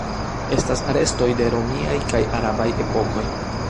Estas restoj de romiaj kaj arabaj epokoj.